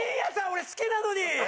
俺好きなのに！